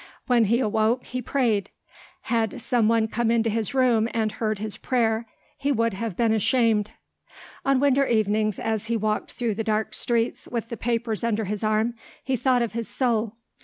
When he awoke he prayed. Had some one come into his room and heard his prayer he would have been ashamed. On winter evenings as he walked through the dark streets with the papers under his arm he thought of his soul.